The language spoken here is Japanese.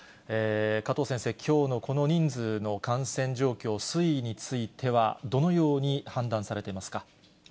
加藤先生、きょうのこの人数の感染状況、推移についてはどのように判断されてますか。